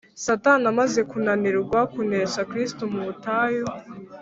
Satani amaze kunanirwa kunesha Kristo mu butayu